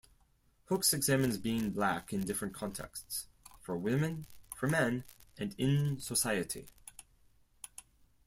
Hooks examines being black in different contexts: for women, for men, and in society.